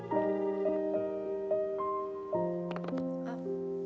あっ。